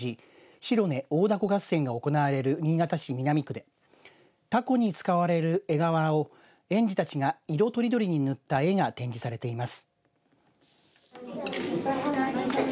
白根大凧合戦が行われる新潟市南区でたこに使われる絵柄を園児たちが色とりどりに塗った絵が展示されています。